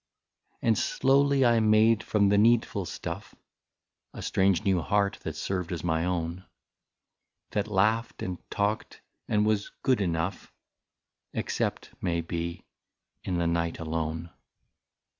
" And slowly I made from the needful stuff A strange new heart that served as my own, That laughed and talked and was good enough, Except, may be, in the night alone.